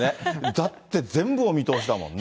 だって全部お見通しだもんね。